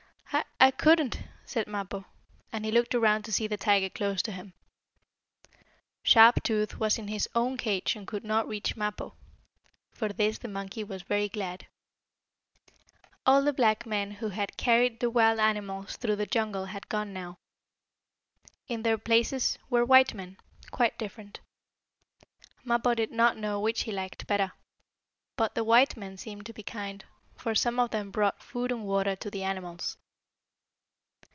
"I I couldn't," said Mappo, and he looked around to see the tiger close to him. Sharp Tooth was in his own cage and could not reach Mappo. For this the monkey was very glad. All the black men who had carried the wild animals through the jungle had gone now. In their places were white men, quite different. Mappo did not know which he liked better, but the white men seemed to be kind, for some of them brought food and water to the animals.